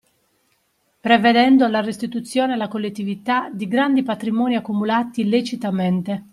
Prevedendo la restituzione alla collettività di grandi patrimoni accumulati illecitamente